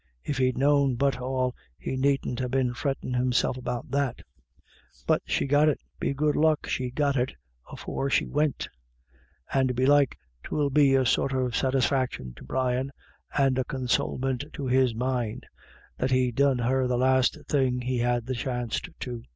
If he'd known but all, he needn't ha' been frettin' himself about that." " But she got it ; be good luck she got it afore she wint. And belike 'twill be a sort of satisfaction BACKWARDS AND FORWARDS. 283 to Brian, and a consowlmint to his mind, that he done her the last thing he had the chanst to.